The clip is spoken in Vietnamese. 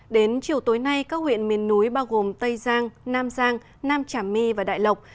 đến chiều tối nay các huyện miền núi bao gồm tây giang nam giang nam trà my và đại lộc